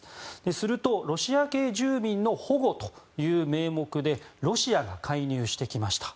するとロシア系住民の保護という名目でロシアが介入してきました。